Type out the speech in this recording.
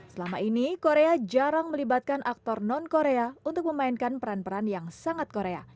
selama ini korea jarang melibatkan aktor non korea untuk memainkan peran peran yang sangat korea